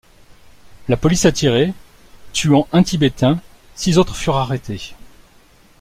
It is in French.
La police a tiré, tuant un Tibétain, six autres furent arrêtés.